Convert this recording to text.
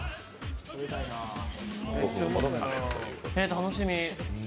楽しみ。